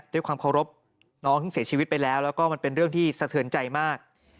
ด้วยความเคารพน้องที่เสียชีวิตไปแล้วแล้วก็มันเป็นเรื่องที่สะเทือนใจมาก